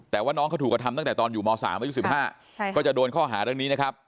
ตั้งแต่ตอนอยู่ม๓อายุ๑๕ก็จะโดนข้อหาเรื่องนี้นะครับ